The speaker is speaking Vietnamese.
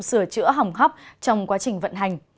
sửa chữa hỏng hóc trong quá trình vận hành